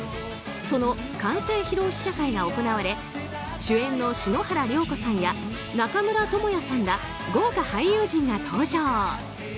その完成披露試写会が行われ主演の篠原涼子さんや中村倫也さんら豪華俳優陣が登場。